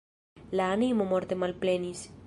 La animo morte malplenis.